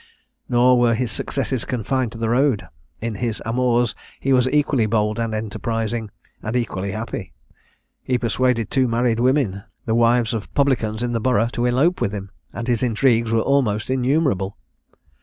Nor were his successes confined to the road. In his amours he was equally bold and enterprising, and equally happy. He persuaded two married women, the wives of publicans in the Borough, to elope with him, and his intrigues were almost innumerable.